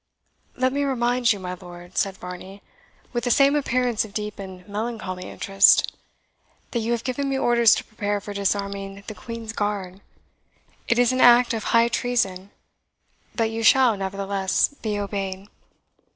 "Let me remind you, my lord," said Varney, with the same appearance of deep and melancholy interest, "that you have given me orders to prepare for disarming the Queen's guard. It is an act of high treason, but you shall nevertheless be obeyed."